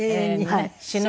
はい。